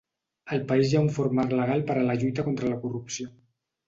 Al país hi ha un fort marc legal per a la lluita contra la corrupció.